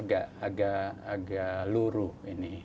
nah ini agak luruh ini